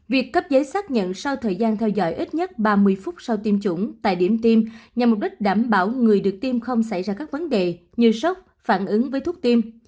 việc cấp giấy xác nhận sau thời gian theo dõi ít nhất ba mươi phút sau tiêm chủng tại điểm tiêm nhằm mục đích đảm bảo người được tiêm không xảy ra các vấn đề như sốc phản ứng với thuốc tiêm